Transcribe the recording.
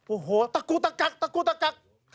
โอ้โฮตะกูตะกัก